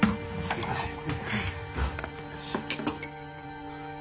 すいません。